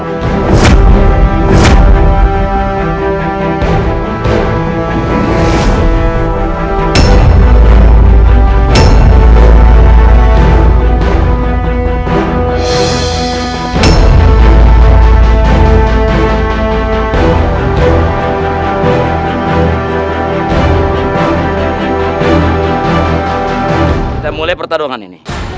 kita mulai pertarungan ini